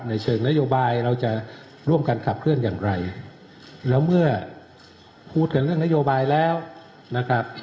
เชิงนโยบายเราจะร่วมกันขับเคลื่อนอย่างไรแล้วเมื่อพูดกันเรื่องนโยบายแล้วนะครับ